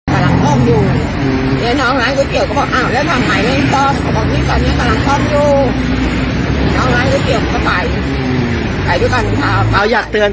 กลับมาหวานในโลกเก่ง